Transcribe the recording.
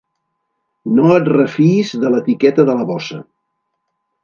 No et refiïs de l'etiqueta de la bossa.